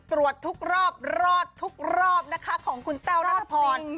ตรวจทุกรอบรอดทุกรอบนะคะของคุณแต้วนัทพร